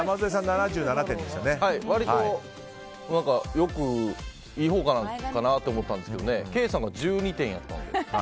割といいほうかなと思ったんですけどケイさんが１２点やったんで。